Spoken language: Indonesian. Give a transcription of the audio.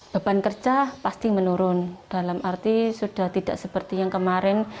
beban kerja pasti menurun dalam arti sudah tidak seperti yang kemarin